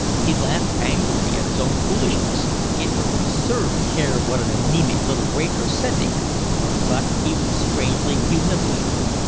He laughed angrily at his own foolishness: it was absurd to care what an anaemic little waitress said to him; but he was strangely humiliated.